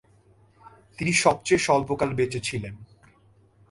তিনি সবচেয়ে স্বল্পকাল বেঁচে ছিলেন।